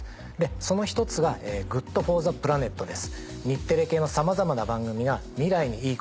その１つが「ＧｏｏｄＦｏｒｔｈｅＰｌａｎｅｔ」です。